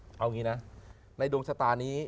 เอางี้นะในดวงชะตานี้